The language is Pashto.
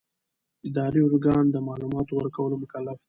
اداري ارګان د معلوماتو ورکولو مکلف دی.